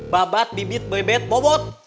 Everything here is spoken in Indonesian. babat bibit bebet bobot